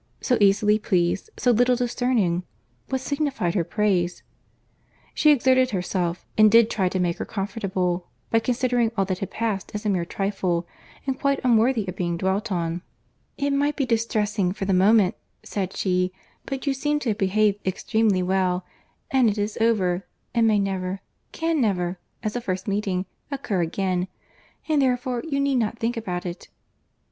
—So easily pleased—so little discerning;—what signified her praise? She exerted herself, and did try to make her comfortable, by considering all that had passed as a mere trifle, and quite unworthy of being dwelt on, "It might be distressing, for the moment," said she; "but you seem to have behaved extremely well; and it is over—and may never—can never, as a first meeting, occur again, and therefore you need not think about it."